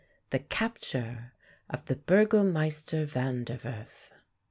THE CAPTURE OF THE _BURGOMEISTER VAN DER WERF.